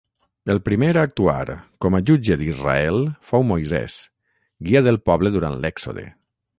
El primer a actuar com a jutge d'Israel fou Moisès, guia del poble durant l'Èxode.